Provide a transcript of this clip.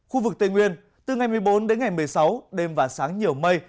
khu vực tây nguyên từ ngày một mươi bốn đến ngày một mươi sáu đêm và sáng nhiều mây